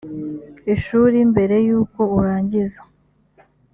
ishuri mbere y uko urangiza